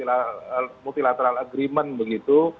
orang orang seperti melakukan keputusan yang berbeda